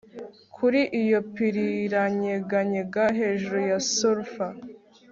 kuri iyo pir iranyeganyega hejuru ya surf